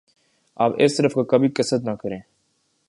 آپ اس طرف کا کبھی قصد نہ کریں